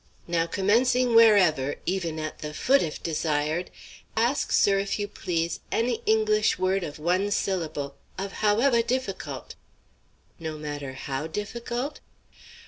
"Now, commencing wherever, even at the foot if desired! ask, sir, if you please, any English word of one syllable, of however difficult!" "No matter how difficult?"